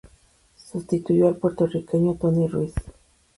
Sustituyó al puertorriqueño Tony Ruiz.